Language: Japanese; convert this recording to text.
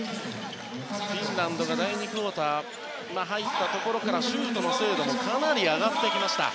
フィンランドが第２クオーター入ったところからシュートの精度もかなり上がってきました。